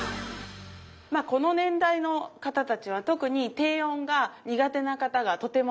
まあこの年代の方たちは特に低音が苦手な方がとても多いです。